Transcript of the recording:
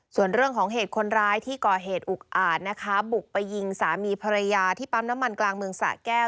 ส่วนเรื่องของเหตุคนร้ายที่ก่อเหตุอุกอาจนะคะบุกไปยิงสามีภรรยาที่ปั๊มน้ำมันกลางเมืองสะแก้ว